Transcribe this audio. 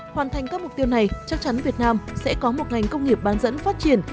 hoàn thành các mục tiêu này chắc chắn việt nam sẽ có một ngành công nghiệp bán dẫn phát triển